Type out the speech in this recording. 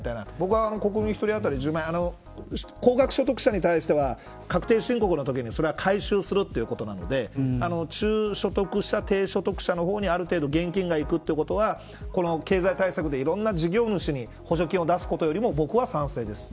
僕は、国民１人当たり１０万円高額所得にある人は確定申告でこれは回収するということなので中所得者、低所得者の方にある程度現金がいくということは経済対策でいろんな事業主の補助金を出すことよりも僕は賛成です。